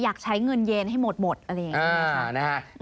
อยากใช้เงินเย็นให้หมดอะไรอย่างนี้